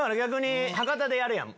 博多でやるやん